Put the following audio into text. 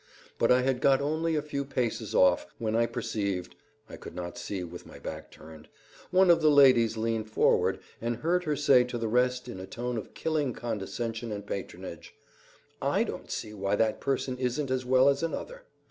But I had got only a few paces off when I perceived (I could not see with my back turned) one of the ladies lean forward, and heard her say to the rest in a tone of killing condescension and patronage: "I don't see why that person isn't as well as another."